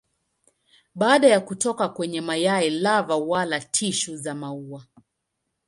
Baada ya kutoka kwenye mayai lava wala tishu za maua.